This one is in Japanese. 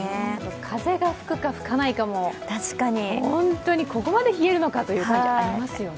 風が吹くか吹かないかも、本当にここまで冷えるのかという感じありますよね。